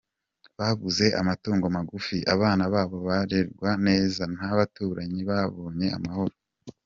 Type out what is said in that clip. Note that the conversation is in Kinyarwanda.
Baguze amatungo magufi, abana babo barerwa neza, n’abaturanyi babonye amahoro.